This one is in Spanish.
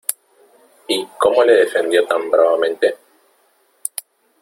¿ y cómo le defendió tan bravamente ?